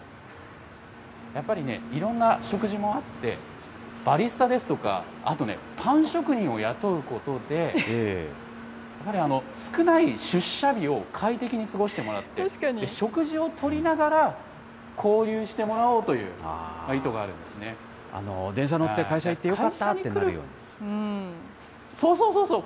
やっぱりね、いろんな食事もあって、バリスタですとか、あとね、パン職人を雇うことで、やはり少ない出社日を快適に過ごしてもらって、食事をとりながら、交流してもらおうという意図があるんで電車乗って会社行ってよかっそうそうそうそう。